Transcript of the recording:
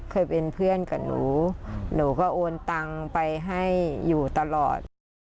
เคยเป็นเพื่อนกับหนูหนูก็โอนตังไปให้อยู่ตลอด